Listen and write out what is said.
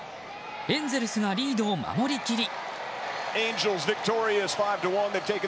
エンゼルスがリードを守りきり。